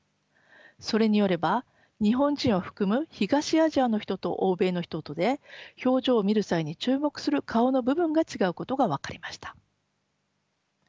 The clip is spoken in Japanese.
それによれば日本人を含む東アジアの人と欧米の人とで表情を見る際に注目する顔の部分が違うことが分かりました。